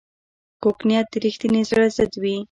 کوږ نیت د رښتیني زړه ضد وي